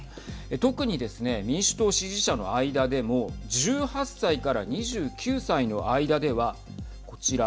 特にですね民主党支持者の間でも１８歳から２９歳の間ではこちら。